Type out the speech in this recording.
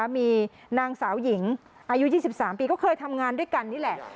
มีนางสาวหญิงอายุ๒๓ปีก็เคยทำงานด้วยกันนี่แหละ